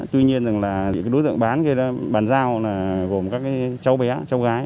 tuy nhiên là đối tượng bán bàn giao gồm các cháu bé cháu gái